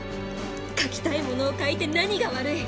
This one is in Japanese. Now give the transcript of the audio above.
書きたいものを書いて何が悪い！